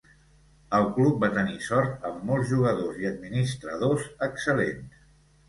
El club va tenir sort amb molts jugadors i administradors excel·lents.